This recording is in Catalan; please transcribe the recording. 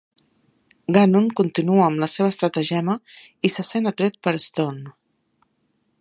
Gannon continua amb el seva estratagema i se sent atret per Stone.